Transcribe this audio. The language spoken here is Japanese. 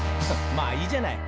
「まあいいじゃない」